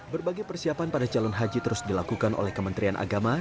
berbagai persiapan pada calon haji terus dilakukan oleh kementerian agama